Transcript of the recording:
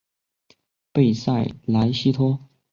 贝塞莱西托。